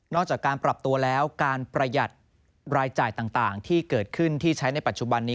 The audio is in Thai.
จากการปรับตัวแล้วการประหยัดรายจ่ายต่างที่เกิดขึ้นที่ใช้ในปัจจุบันนี้